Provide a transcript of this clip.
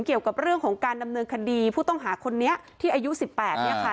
เกี่ยวกับเรื่องของการดำเนินคดีผู้ต้องหาคนนี้ที่อายุ๑๘เนี่ยค่ะ